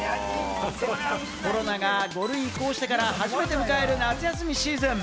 コロナが５類に移行してから初めて迎える夏休みシーズン。